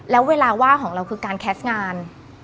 แล้วเวลาว่างของเราคือการแคสต์งาน